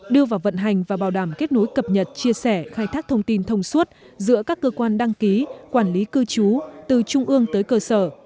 đưa vào vận hành và bảo đảm kết nối cập nhật chia sẻ khai thác thông tin thông suốt giữa các cơ quan đăng ký quản lý cư trú từ trung ương tới cơ sở